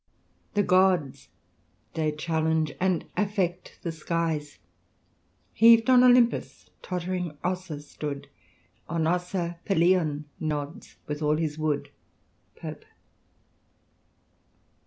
The gods they challenge, and affect the skies : Heav*d on Oljnnpus tottVing Ossa stood ; On Ossa, Pelion nods with all his wood." Pope.